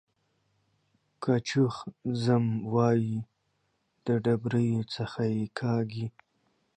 که چوخ ځم وايي د ډبرۍ څخه يې کاږي.